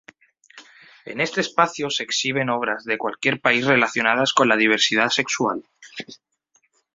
En este espacio se exhiben obras de cualquier país relacionadas con la diversidad sexual.